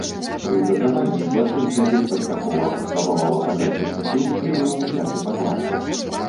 Пры затрыманні злачынца беспаспяхова паспрабаваў аказаць супраціў і быў узяты пад варту.